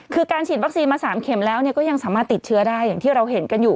คือการฉีดวัคซีนมา๓เข็มแล้วก็ยังสามารถติดเชื้อได้อย่างที่เราเห็นกันอยู่